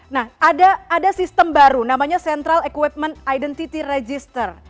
nah ada sistem baru namanya central equipment identity register